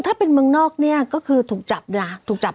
ถ้าเป็นเมืองนอกเนี่ยก็คือถูกจับนะถูกจับ